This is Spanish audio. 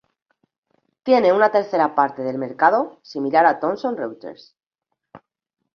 Tiene una tercera parte del mercado, similar a Thomson Reuters.